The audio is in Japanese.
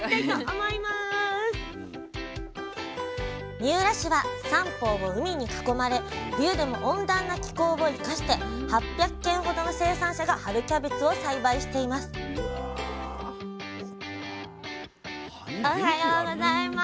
三浦市は三方を海に囲まれ冬でも温暖な気候を生かして８００軒ほどの生産者が春キャベツを栽培していますおはようございます。